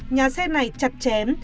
nhà xe này chặt chén